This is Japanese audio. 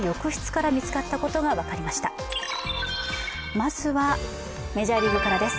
まずはメジャーリーグからです。